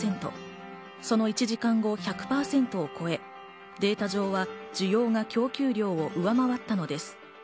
その１時間後１００％を超え、データ上は需要が供給量を上回ったのです。